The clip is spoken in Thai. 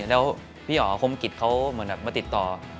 แล้วพี่อ๋อคมกิจเขามาติดต่อ